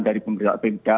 dari pemerintah pmk